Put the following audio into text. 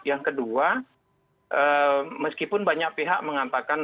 yang kedua meskipun banyak pihak mengatakan